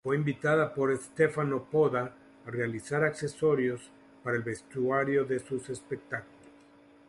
Fue invitada por Stefano Poda a realizar accesorios para el vestuario de sus espectáculos.